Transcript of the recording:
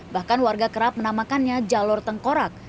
bahkan warga kerap menamakannya jalur tengkorak